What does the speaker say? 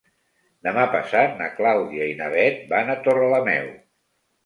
Demà passat na Clàudia i na Bet van a Torrelameu.